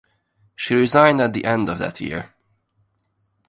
She resigned at the end of that year.